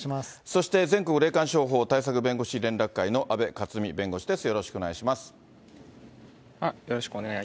そして、全国霊感商法対策連合協議会の阿部克臣弁護士です。